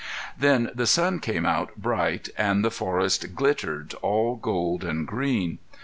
Then the sun came out bright and the forest glittered, all gold and green.